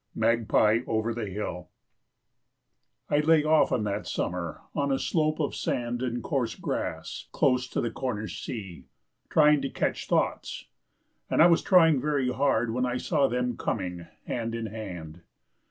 MAGPIE OVER THE HILL I lay often that summer on a slope of sand and coarse grass, close to the Cornish sea, trying to catch thoughts; and I was trying very hard when I saw them coming hand in hand.